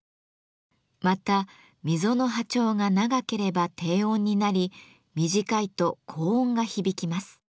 また溝の波長が長ければ低音になり短いと高音が響きます。